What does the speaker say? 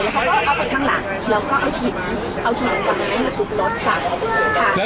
แล้วเขาก็เอาหินทางหลังแล้วก็เอาหินเอาหินออกไปมาทุบรถค่ะ